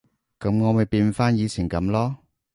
噉我咪變返以前噉囉